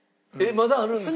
まだあるんですか？